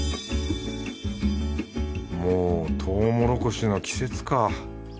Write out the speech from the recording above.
もうトウモロコシの季節か。